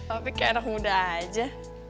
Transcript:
tapi kayak anak muda aja